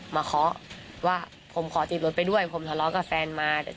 มาขอว่าผมขอจีบรถไปด้วยผมสะเลาะกับแฟนมา